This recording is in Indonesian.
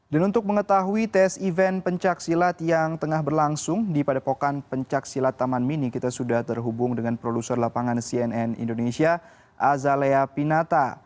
dan untuk mengetahui tes event pencaksilat yang tengah berlangsung di padepokan pencaksilat taman mini kita sudah terhubung dengan produser lapangan cnn indonesia azalea pinata